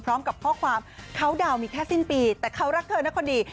พร้อมกับข้อความเขาดาวน์มีแค่สิ้นปีแต่เขารักเธอนะคนดี